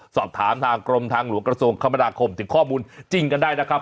สอบถามทางกรมทางหลวงกระทรวงคมนาคมถึงข้อมูลจริงกันได้นะครับ